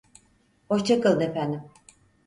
Hoşça kalın efendim.